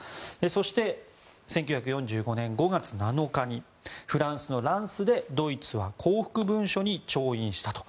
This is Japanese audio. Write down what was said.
そして、１９４５年５月７日にフランスのランスでドイツは降伏文書に調印したと。